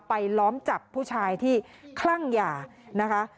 ล้อมจับผู้ชายที่คลั่งยานะคะ